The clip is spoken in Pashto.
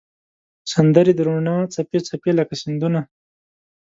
سندرې د روڼا څپې، څپې لکه سیندونه